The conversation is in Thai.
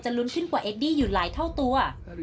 ลุ้นขึ้นกว่าเอดดี้อยู่หลายเท่าตัว